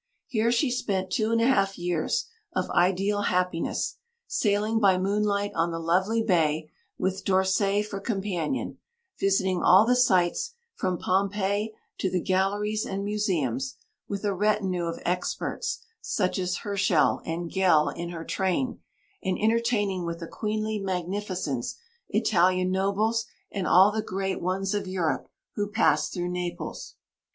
Here she spent two and a half years of ideal happiness, sailing by moonlight on the lovely bay, with d'Orsay for companion; visiting all the sights, from Pompeii to the galleries and museums, with a retinue of experts, such as Herschell and Gell in her train, and entertaining with a queenly magnificence Italian nobles and all the great ones of Europe who passed through Naples.